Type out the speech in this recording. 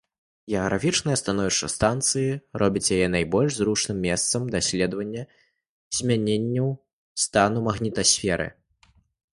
Геаграфічнае становішча станцыі робіць яе найбольш зручным месцам для даследвання змяненняў стану магнітасферы.